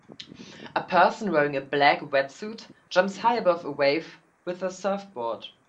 A person wearing a black wetsuit jumps high above a wave with a surfboard.